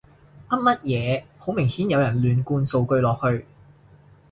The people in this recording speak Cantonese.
噏乜嘢，好明顯有人亂灌數據落去